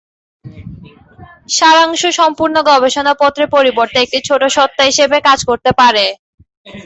সারাংশ সম্পূর্ণ গবেষণাপত্রের পরিবর্তে একটি ছোট সত্তা হিসেবে কাজ করতে পারে।